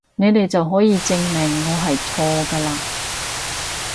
你哋就可以證明我係錯㗎嘞！